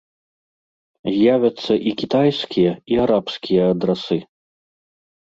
З'явяцца і кітайскія, і арабскія адрасы.